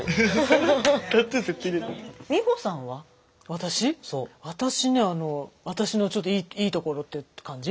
私ね私のちょっといいところって感じ？